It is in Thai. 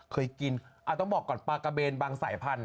เคยกินต้องบอกก่อนปลากระเบนบางสายพันธุ